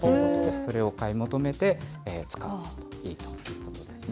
それを買い求めて、使うといいということですね。